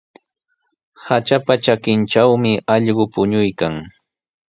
Hatrapa trakintrawmi allqu puñuykan.